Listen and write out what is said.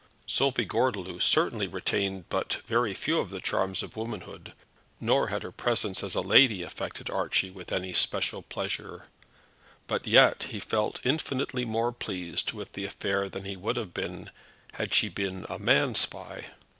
Sophie Gordeloup certainly retained but very few of the charms of womanhood, nor had her presence as a lady affected Archie with any special pleasure; but yet he felt infinitely more pleased with the affair than he would have been had she been a man spy.